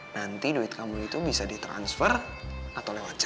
nanti duit kamu itu bisa di transfer atau lewat cek